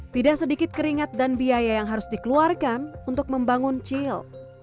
tidak sedikit keringat dan biaya yang harus dikeluarkan untuk membangun cil